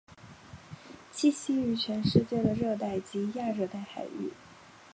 栖息于全世界的热带及亚热带海域。